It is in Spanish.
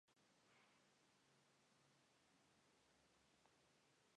Considerado ya por las autoridades como difícilmente controlable, el festival empezó a tener problemas.